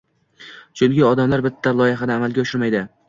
Chunki odamlar bitta loyihani amalga oshirmaydi